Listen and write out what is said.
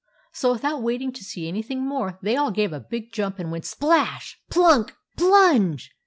So, without waiting to see any thing more, they all gave a big jump and went splash ! plunk ! plunge